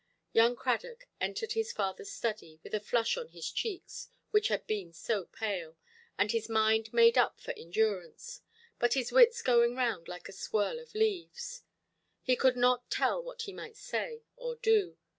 Young Cradock entered his fatherʼs study, with a flush on his cheeks, which had been so pale, and his mind made up for endurance, but his wits going round like a swirl of leaves. He could not tell what he might say or do.